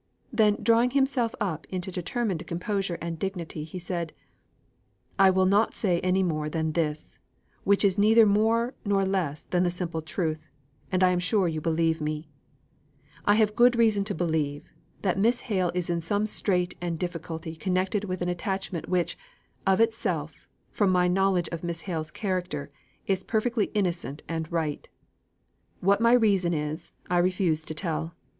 Then, drawing himself up into determined composure and dignity, he said, "I will not say any more than this, which is neither more nor less than the simple truth, and I am sure you believe me, I have good reason to believe, that Miss Hale is in some strait and difficulty connected with an attachment which, of itself, from my knowledge of Miss Hale's character, is perfectly innocent and right. What my reason is, I refuse to tell.